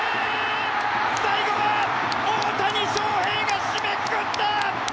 最後は大谷翔平が締めくくった！